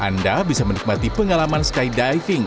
anda bisa menikmati pengalaman skydiving